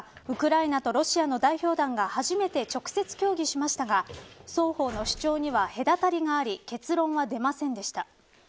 ウクライナとロシアの代表団が初めて直接協議しましたが双方の主張には隔たりがあり結論は出ませんでした。